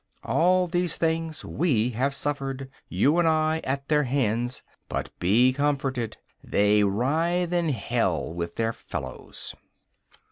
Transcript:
All these things we have suffered, you and I, at their hands. But be comforted. They writhe in Hell with their fellows.